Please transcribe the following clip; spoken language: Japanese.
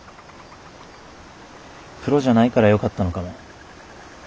プロじゃないからよかったのかも。